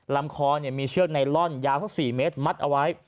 ลำคอมีเชือกไนลอนยาวสัก๔เมตรมัดเอาไว้